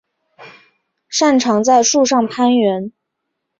擅长在树上攀援。